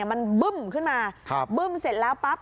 มันบึ้มขึ้นมาบึ้มเสร็จแล้วปั๊บ